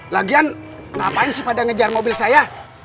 lagian ngapain sih pada ngejar mobil saya